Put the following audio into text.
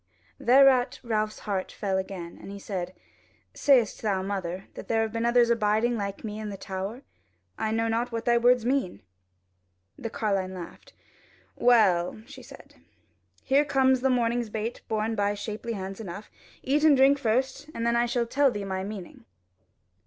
Thereat Ralph's heart fell again, and he said: "Sayest thou, mother, that there have been others abiding like me in the tower? I know not what thy words mean." The carline laughed. "Well," said she, "here comes thy morning's bait borne by shapely hands enough; eat and drink first; and then will I tell thee my meaning."